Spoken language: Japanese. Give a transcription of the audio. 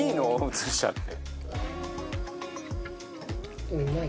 映しちゃって。